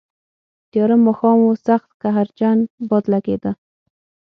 تیاره ماښام و، سخت قهرجن باد لګېده.